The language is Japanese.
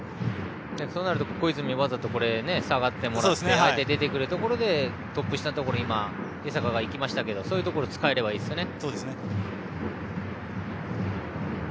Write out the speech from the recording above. そうなると小泉わざと下がってもらって相手が出てくるところでトップ下のところに江坂がいきましたけどそういうところを使えればいいですよね。